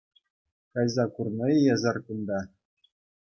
Кайса курнӑ-и эсир кунта?